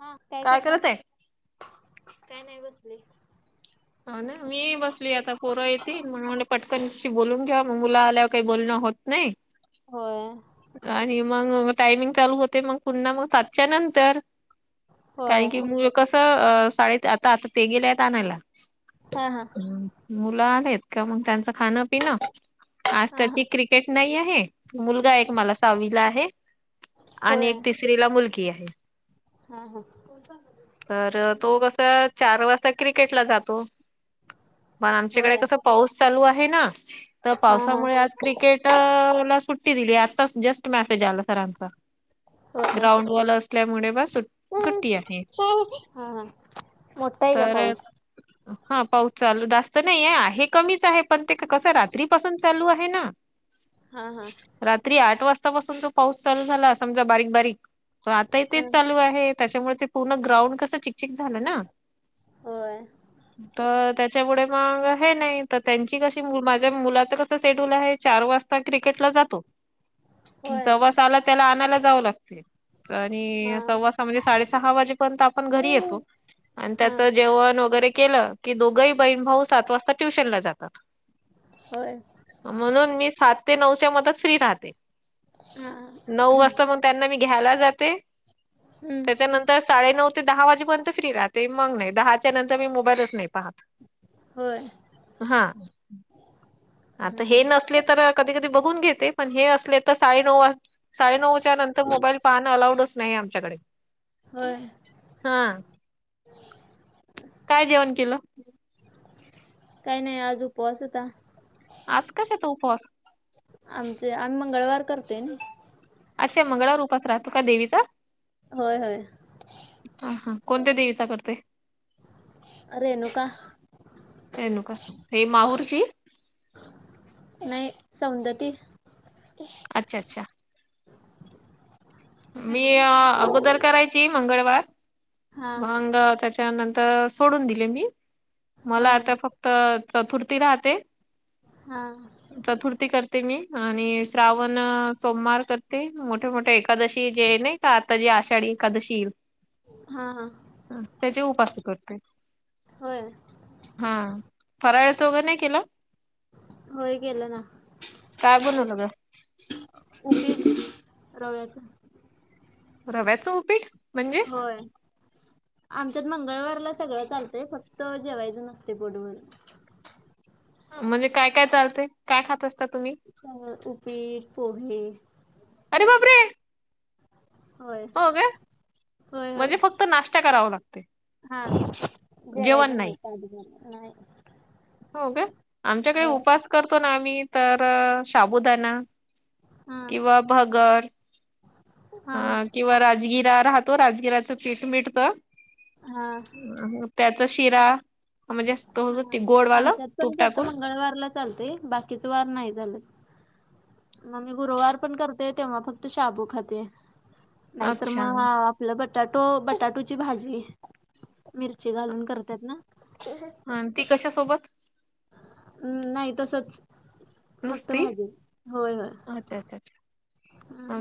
हा काय करतय करत आहे? काय नाही बसली. ह ना मी बसली आता पोरं येेते मग म्ह पटकनशी बोलून घ्यावा मग मुला आल्यावर काही बोलणं होत नाही. होय. आणि मग टायमिंग चालू होते मग पुन्हा मग सातच्या नंतर. होय कारण की मु कस शाळेत आता आता ते गेले आहेत आणायला. हा हा. मुलं आलेत का मग त्यांचं खाणं पिणं आज हा हा त्याची क [unintelligible] नाही आहे मुलगा एक मला साहवीला आहे आणि होय एक तीस. स्त्रीला मुलगी आहे. हा हा. तर तो कसा चार वाजता क्रिकेटला जातो पण आमच्याकडे होय कसं. पाऊस चालू आहे ना तर हा हा पावसामुळे आज क्रिकेट ला सुट्टी दिली आ जस्ट मेसेज आला सरांचा होय. ग्राउंडवालं असल्यामुळे बा सु सुट्टी आहे. हा हा. मोठा आहे का तर पाऊस. हा पाऊस चालू जास्त नाही आहे कमीच आहे पण ते कसं रात्रीपसून चालू आहे ना. हा हा. रात्री आठ वाजतापासून जो पाऊस चालू झाला समजा बारीक बारीक तर आताही ह तेच चालू आहे. त्याच्यामुळे ते पूर्ण ग्राउंड कस चिकचिक झालं ना. होय तर त्याच्यामुळे मग हे नाही तर त्यांची कशी माझ्या मुलाच कसं शेड्यूल आहे चार वाजता. क्रिकेटला जातो होय जव आला त्याला आणायला जाऊ लागते. हा. आणि सव्वासा म्हणजे साडेसहा वाजेपर्यंत आपण घरी येतो. हा आणि त्याच जेवण वगैरे केलं की दोघही बहीण भाऊ सात वाजता ट्युशन ला जातात. होय. म्हणून मी सात ते नऊच्या मतात फ्री राहते हा नऊ वाजताण त्यांना मी घ्याला जाते हम्म त्याच्यानंतर. तर साडे नऊ ते दहा वाजेपर्यंत फ्री राहते मग नाही दहाच्या नंतर मी मोबाईलच नाही पाहत. होय हा. हा. आता हे नसले तर कधी कधी बघून घेते पण हे असले तर साडे नऊ वाज. साडे नऊच्या नंतर मोबाईल पाहणं अलाऊडच नाही आमच्याकडे होय हा काय जेवण केलं काही नाही आज उपवास होता आज कशाचा उपवास आमचे आम्ही मंगळवार करते ना अच्छा मंगळाारूपच राहतो का देवीचा होय हय ह हा कोणत्या देवीचा करते रेणुका रेणूका हे माहूरची नाही सौंदती अच्छा अच्छा [inaudible] मी अगोदर करायच ची मंगळवार हा मंग त्याच्यानंतर सोडून दिले मी मला होय. आता फक्त चतुर्थी राहते हा चतुर्थी करते मी आणि श्रावण सोमवार करते मोठ्या मोठ्या कदशी जे नाही का आता जी आषाढी कदशी येईल हा हा त्याचे उपास करते होय हा फराळाचं वगैरे नाही केलं होय गेल ना काय बनवलं ग उगे रव्याची रव्याचं उपीठ होय आमच्यात मंगळवारला सगळं चालतंय फक्त त जेवायचं नसते पोटभर म्हणजे काय काय चालते काय खात असता तुम्ही उपीट पोहे अरे बाब रे होय होय होय म्हणजे फक्त नाश्ता करावा लागते. हा जेवायच नाही [unintelligible] नाही हो का आमच्याकडे हो उपास करतो ना आम्ही तर शाबुदाणा हा किंवा भगर हा हा. ह किंवा राजगिरा राहतो राजगिराचं पीठ मिडत हा त्याचा शिरा म्हणजे तो जो हा ते गोडवालं आमच्यात तूप पण फक्त टाकून मंगळवारला चालते बाकीच वार नाही चाल मग मी गुरुवार पण करत ते तेव्हा फक्त शाबू खाती नाहीतर अच्छा मग आपलं बटाटो बटाटोची भाजी मिरची घालून करतात ना ह ती कशसोबत हम् नाही तसच फक्त नुसती भाजी अच्छा अच्छा अच्छ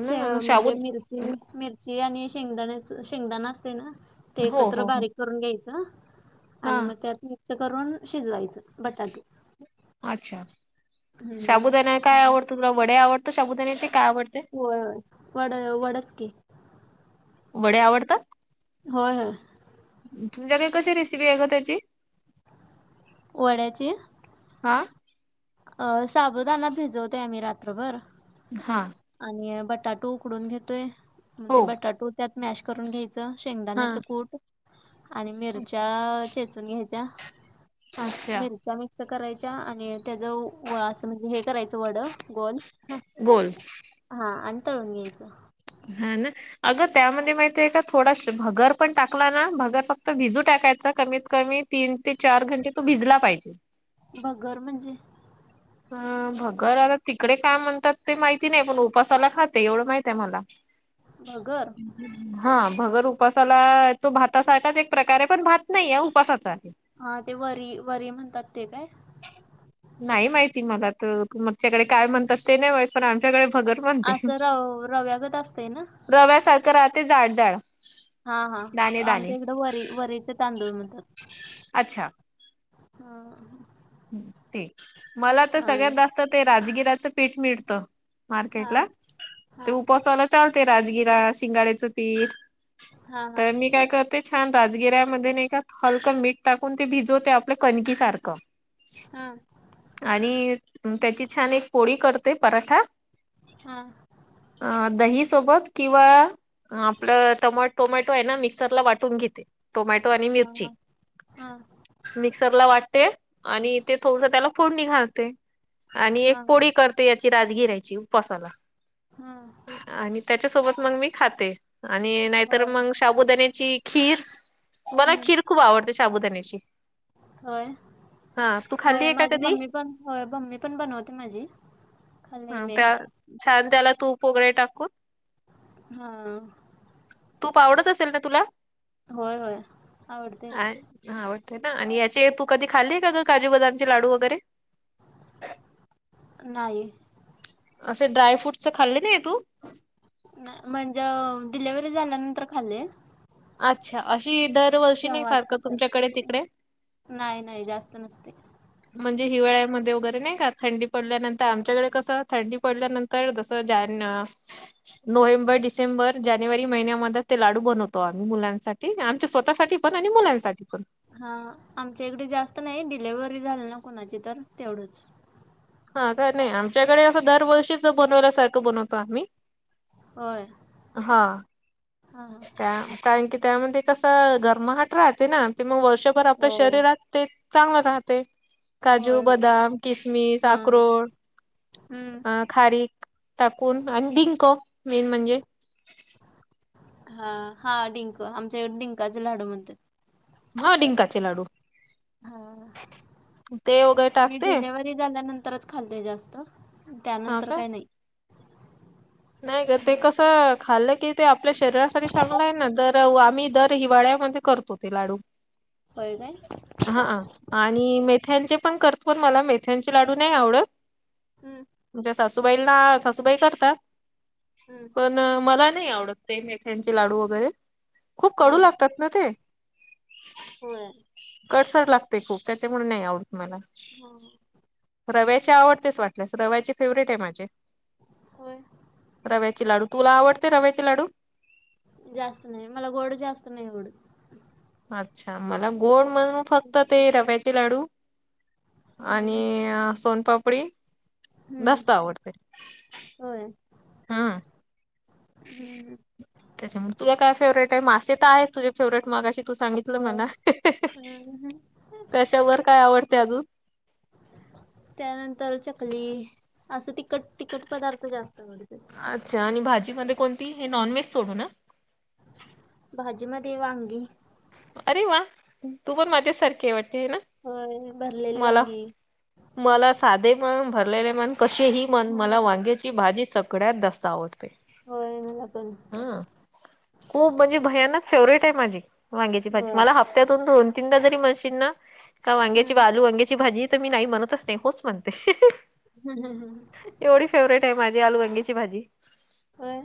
हे म्हणजे मिर मिरची आणि शेंगदाण्या शेंगदाणा असते ना ते हो एकत्र हो हो. बारीक करून घ्यायचं आणि हां मग त्यात मिक्स करून शिजवायचं बटाटो अच्छा हम्म शाबुदाना काय चांगलं. आवडतो तुला वडे आवडतो शाबुदाण्याचे काय आवडते. हो वड वडच की वडे आवडतात. होय ह. तुमच्या घरी कशी रेसपी एक ग त्याची वड्याची हा. अ साबुदाना भिजवतो आम्ही रात्रभर हा आणि बटाटू उकडून घेतोय मग ते हो बटाटू त्यात मॅश करून घ्यायचे. हा शेंगदाण्याच कूट आणि मिरच्या चेचून घ्यायच्या. अच्छा मिरच्या मिक्स करायच्या आणि त्याच असं म्हणजे हे करायच. वड गोल गोल हा आणि तळून घ्यायचं. हां ना. अगं त्यामध्ये माहिती आहे का थोडा भगर पण टाकला ना भगर फक्त भिजू टाकायचा कमीत कमी तीन ते चार घंटे तो भिजला पाहिजे. भगर म्हणजे अ भगर आता तिकडे काय म्हणतात ते माहिती नाही पण उपासाला खाते एवढं माहित आहे मला भगर हा भगर उपासाला तो भात सारखाच एक प्रकार आहे पण भात नाही आहे उपासाचा आहे. हा ते वरी वरी म्हणतात ते काय? नाही माहिती मला तर मगच्याकडे काय म्हणतात ते नाही मा पण आमच्याकडे भगर बणते असं रव रव्यागत असतंय ना रव्यासारखं राहते जाड जााड. हा हा आमच्या इकडं वरी वरीचे तांदूळ म्हणात. अच्छा. हा. ह् ते मला तर हा सगळ्यात जास्त ते राजगिराचं पीठ मिळत. मार्केट ला हा ते उपसायला चालते राजगिरा शिंगाडेच पीठ हा हा तर मी काय करते छान राजगिऱ्यामध्ये नाही का हलकं मीठ टाकून ते भिजवते आपल्या कणकी सारखं. हा. आणि त्याची छान एक पोळी करते पराठा हम. अ दहीसोबत किंवा आपलं टोमॅटो आहे ना मिक्सरला वाटून घेते. टोमॅटो आणि हा मिरची हा मिक्सरला वाटते आणि ते थोडसं त्याला फोडणी घालते. आणि एक हा पोळी करते याची राजगीरायची उपासाला ह. आणि त्याच्यासोबत मग मी खाते आणि नाहीतर होय मग शाबुदाण्याची खीर मला हम्म, खीर खूप आवडते शाबुदाण्याची होय हा तू खाल्ली होय आहे का माझी कधी मम्मी पण होय मम्मी पण बनवते माझी. ह खाल्लंय मी त्या एकदा छान त्याला तूप वगैरे टाकून हा. तूप आवडत असेल ना तुला होय होय आवडते ह ना आवडतय ना आणि याचे तू कधी खाल्ले काय ग काजू बदामचे लाडू वगैरे नाही. असे ड्रायफ्रूट्च खाल्ले नाही आहे तू नाही म्हणजे डिलेिव्हरी झाल्यानंतर खाल्ले. अच्छा अशी दरवर्षी नाही तेव्हाच सारखं फक्त तुमच्याकडे तिकडे. नाही नाही जास्त नसते. म्हणजे हिवाळ्यामध्ये वगैरे नाही का थंडी पडल्यानंतर आमच्याकडे कसं थंडी पडल्यानं [unintelligible] जस ज्यान नोव्हेंबर, डिसेंबर, जानेवारी महिन्यामध्ये ते लाडू बनवतो आम्ही मुलांसाठी. आमच्या स्वतःसाठी पण आणि मुलांसाठी पण हा आमच्या इकडे जास्त नाही डिलेव्हरी झाली ना कुणाची तर तेवढंच. हा काय नाही आमच्याकडे असं दरवर्षी बनवाल्यासारखं बनवतो आम्ही. होय हा हा त्या कारण की त्यामध्ये कसं गर्महाट राहते ना ते मग वर्षभर आपल्या हो शरीरात ते चांगलं राहते काजू, होय होय बदाम, किसमिस हा अक्रोड हम्म अ खारीक टाकून आणि डिंक मेन म्हणजे हा हा डिंक आमच्याकडे डिंकाचे लाडू म्हणतात. हा डिंकाचे लाडू हा ते वगैरे टाकते. डिलेवरी झाल्यानंतरच खालते जास्त हा त्यानंतर का काही नाही. नाही ग ते हा कसं खाल्लं की ते आपल्या शरीरासाठी चांगलं आहे ना दर तर आम्ही दर हिवाळ्यामध्ये करतो ते लाडू. होय काय. हा आणि मेथ्यांचे पण करतो मला मेथ्यांचे लाडू नाही आवडत. हम् तुमच्या सासूबाईला सासूबाई करतात. हम्म अ मला नाही आवडत ते मेथ्यांचे लाडू वगैरे खूप हा कडू हा लागतात ना ते. होय कडसर लागते खूप त्याच्यामुळे नाही आवडत मला. हो हो रव्याचे आवडतेच वाटल्यास रव्याचे फेवरेट आहे माझे. होय रव्याचे लाडू. तुला आवडते रव्याचे लाडू? जास्त नाही मला गोड जास्त नाहीय आवडत. अच्छा मला गोड म्हणून फक्त ते रव्याचे लाडू आणि हम्म सोनपापडी हम्म जास्त आवडते. होय. हा हम्म त्याच्यामुळे तुझ काय फेवरेट आहे मासे तर आहेत तुझे फेवरेट मघाचशि तू सांगितलं होय मला. हम्म त्याच्यावर काय आवडते अजून? त्यानंतर चकली असं तिखट तिखट पदार्थ जास्त आवडत्या. अच्छा आणि भाजीमध्ये कोणती हे नॉनव्हेज सोडू न भाजी मध्ये वांगी. अरे वा तू पण माझ्या सारखी वाटते आहे ना. होय भरलेली मला वांगी. मला साधे पण भरलेले मन कसेही मन मला हा वांगे ची भाजी सगळ्यात जास्त आवडते. हो मला पण. ह खूप म्हणजे भयानक फेवरेट आहे माझी वांग्याची भाजी होय मला ह त्यातून दोन तीनदा जरी म्हशीन ना का वांग्याची हम्म बालू वांग्याची भाजी तर मी नाही म्हणतच नाही होच म्हणते. हम् हम हम एवढी फेवरेट आहे माझी आलु वांग्याची भाजी होय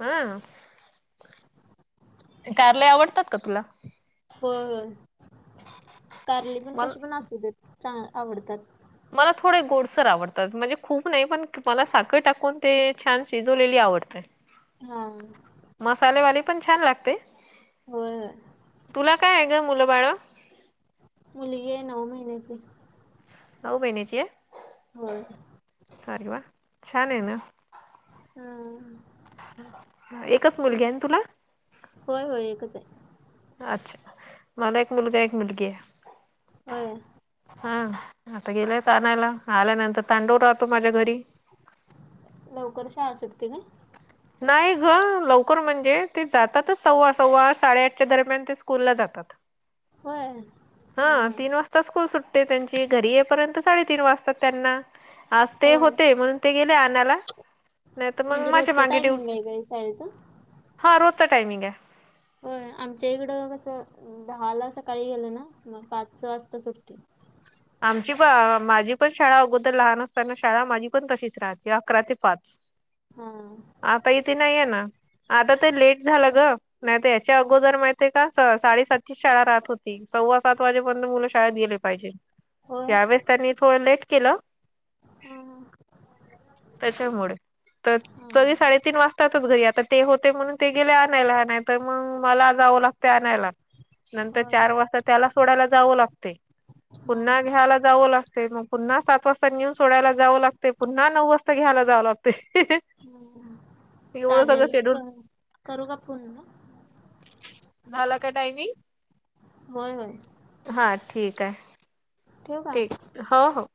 हा कारले आवडतात का तुला? हो कारली पण मला कशी पण असू देत चांग आवडतात. मला थोडे गोडसर आवडतात म्हणजे खूप नाही पण मला साखर टाकून ते छान शिजवलेली आवडते ते हा मसालेवाले पण छान लागते होय होय तुला काय आहे ग मुलं बाळ मुलगी आहे नऊ महिन्याची नौ महिन्याची आहे होय आरे वा छान आहे ना हम एकच मुलगी आहे ना तुला होय होय एकच आहे अच्छा मला एक मुलगा एक मुलगी आहे हो हा आता गेलेत आणायला आल्यानंतर तांडूळ राहतो माझ्या घरी लवकर शाळा सुटते का नाही ग लवकर म्हणजे ते जातातच सव्वा सव्वा साडेआठच्या दरम्यान ते स्कूलला जातात होय हां हा हां तीन वाजता स्कूल सुटते त्यांची घरी येपर्यंत साडेतीन वाजताात त्यांना आज ते होय होते म्हणून ते गेले आणाला नाही तर मग माझ्या मांगी ंग गरी शाळेच हां रोजता टायमिंग आहे हो आमच्या इकडं कसं दहा ला सकाळी गेलं ना म पाच वाजता सुटते आमची प माझी पण शाळा अगोदर लहान असताना शाळा माझी पण तशिच राहते अकरा ते पाच हा आता इथे नाहीे ना आता तर लेट झालं ग नाहीत याच्या अगोदर माहितीय का साडेसातची शाळा राहत होती सव्वा सात वाजेपर्यंत मुलं शाळेत गेले पाहिजे होय त्यावेळेस त्यांनी थोडं लेट केलं हां त्याच्यामुळे तर हां तरी हां साडेतीन वाजता च घरी आता ते होते म्हणून ते गेले आणायला नाही तर मग मला जावं लागते आणायला नंतर होय चार वाजता त्याला सोडायला जावं लागते हां पुन्हा घ्यायला जावं लागते ते मग पुन्हा सात वाजता नेऊन सोडायला जावं लागते पुन्हा नऊ वाजता घ्यायला जावं लागते ह एवढं सगळं चालेल शेड्यूल करू का फोन मा झाला का टायमिंग होय होय हा ठीक आहे ठेवू का ठीक हो हो